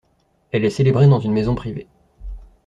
Elle est célébrée dans une maison privée.